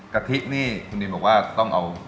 กะทินี่คุณนิวบอกว่าต้องเอา